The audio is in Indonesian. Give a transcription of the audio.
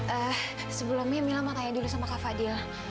eh sebelumnya mila mau tanya dulu sama kak fadil